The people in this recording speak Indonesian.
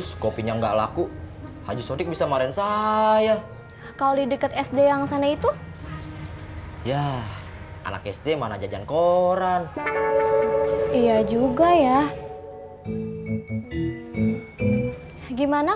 sampai jumpa di video selanjutnya